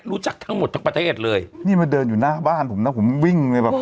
รู้จักทั้งหมดทั้งประเทศเลยนี่มาเดินอยู่หน้าบ้านผมนะผมวิ่งเลยแบบ